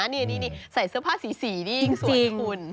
นี่ใส่เสื้อผ้าสีนี่ยิ่งสวยคุณ